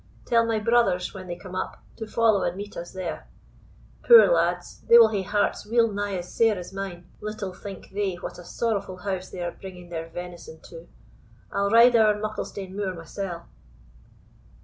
Tell my brothers, when they come up, to follow and meet us there. Poor lads, they will hae hearts weelnigh as sair as mine; little think they what a sorrowful house they are bringing their venison to! I'll ride ower Mucklestane Moor mysell."